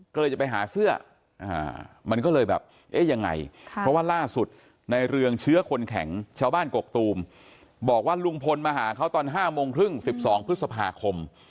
ก็เลยจะไปหาเสื้อมันก็เลยแบบเอ๊ะยังไงเพราะว่าล่าสุดในเรืองเชื้อคนแข็งชาวบ้านกกตูมบอกว่าลุงพลมาหาเขาตอน๕โมงครึ่ง๑๒พฤษภาคม